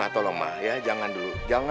tolong ma jangan dulu